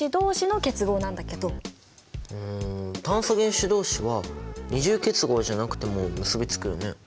うん炭素原子同士は二重結合じゃなくても結び付くよね。